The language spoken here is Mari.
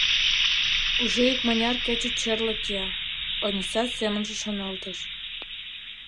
Уже икмыняр кече черле кия», — Ониса семынже шоналтыш.